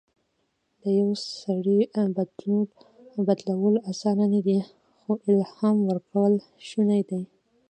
د یو سړي بدلول اسانه نه دي، خو الهام ورکول شونی ده.